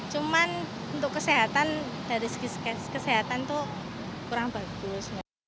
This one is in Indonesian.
cuma untuk kesehatan dari segi kesehatan itu kurang bagus